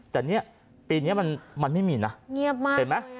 แต่ปีนี้มันไม่มีนะเห็นมะ